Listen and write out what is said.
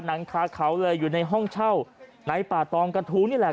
หนังคาเขาเลยอยู่ในห้องเช่าในป่าตองกระทู้นี่แหละ